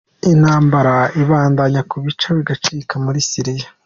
Intambara ibandanya kubica bigacika muri Syria.